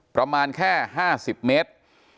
ประมาณแค่๕๐เมตร